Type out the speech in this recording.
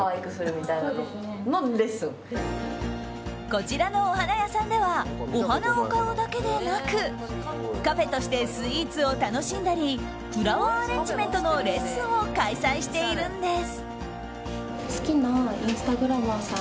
こちらのお花屋さんではお花を買うだけでなくカフェとしてスイーツを楽しんだりフラワーアレンジメントのレッスンを開催しているんです。